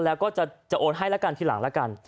แล้วก็จะโอนให้ละกันทีหลังละกัน